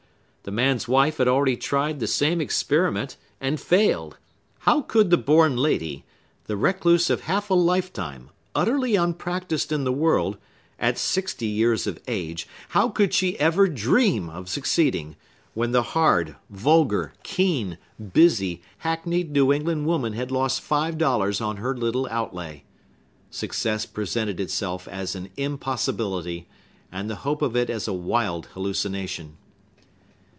The man's wife had already tried the same experiment, and failed! How could the born lady—the recluse of half a lifetime, utterly unpractised in the world, at sixty years of age,—how could she ever dream of succeeding, when the hard, vulgar, keen, busy, hackneyed New England woman had lost five dollars on her little outlay! Success presented itself as an impossibility, and the hope of it as a wild hallucination.